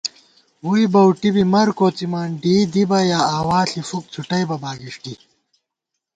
ووئی بَؤٹی بی مَر کوڅِمان ، ڈېئی دِبہ یا آوا ݪی فُک څھُٹَئیبہ باگِݭٹی